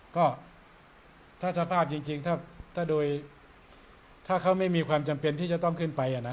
ก็ถ้าสภาพจริงถ้าโดยถ้าเขาไม่มีความจำเป็นที่จะต้องขึ้นไป